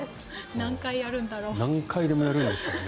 何回でもやるんでしょうね。